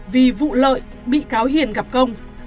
vì vụ lợi bị cáo hiền gặp công